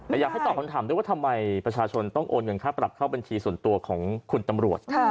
แต่อยากให้ตอบคำถามด้วยว่าทำไมประชาชนต้องโอนเงินค่าปรับเข้าบัญชีส่วนตัวของคุณตำรวจ